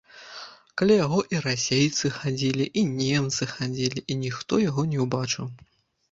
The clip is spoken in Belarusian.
Каля яго і расейцы хадзілі, і немцы хадзілі, і ніхто яго не ўбачыў.